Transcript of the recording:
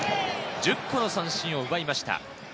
１０個の三振を奪いました。